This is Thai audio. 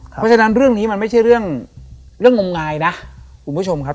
เพราะฉะนั้นเรื่องนี้มันไม่ใช่เรื่องเรื่องงมงายนะคุณผู้ชมครับ